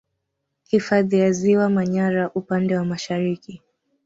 Hifadhi ya ziwa Manyara upande wa Mashariki